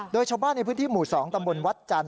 โดยชาวบ้านในพื้นที่หมู่๒ตำบลวัดจันท